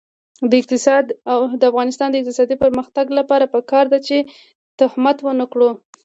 د افغانستان د اقتصادي پرمختګ لپاره پکار ده چې تهمت ونکړو.